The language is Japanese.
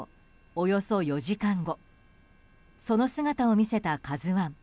およそ４時間後その姿を見せた「ＫＡＺＵ１」。